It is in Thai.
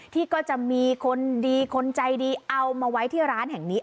ที่ก็จะมีคนดีคนใจดีเอามาไว้ที่ร้านแห่งนี้